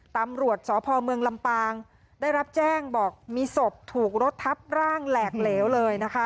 ตำรวจสพเมืองลำปางได้รับแจ้งบอกมีศพถูกรถทับร่างแหลกเหลวเลยนะคะ